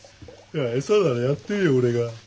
餌ならやってるよ俺が。